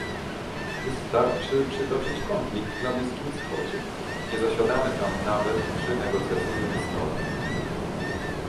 Wystarczy przytoczyć konflikt na Bliskim Wschodzie - nie zasiadamy tam nawet przy negocjacyjnym stole